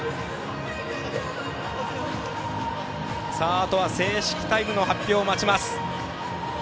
あとは正式タイムの発表を待ちます。